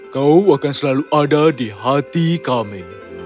kau akan selalu ada di hati kami